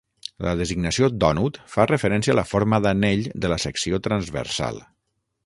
La designació "dònut" fa referència a la forma d'anell de la secció transversal.